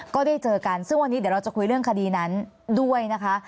ก็ได้เจอกันซึ่งวันนี้เดี๋ยวเราจะคุยเรื่องคดีนั้นด้วยนะคะ